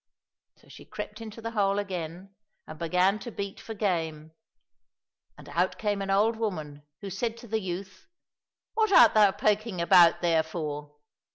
So she crept into the hole again and began to beat for game, and out came an old woman, who said to the youth, " What art thou poking about there for